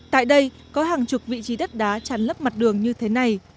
tại đây có hàng chục vị trí đất đá tràn lấp mặt đường như thế này